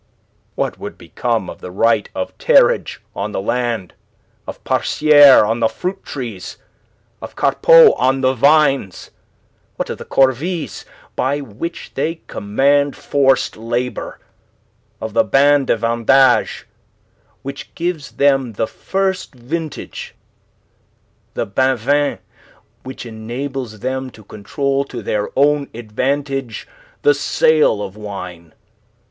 "What would become of the right of terrage on the land, of parciere on the fruit trees, of carpot on the vines? What of the corvees by which they command forced labour, of the ban de vendage, which gives them the first vintage, the banvin which enables them to control to their own advantage the sale of wine?